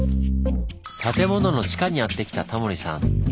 建物の地下にやって来たタモリさん。